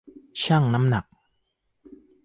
ชั่งน้ำหนัก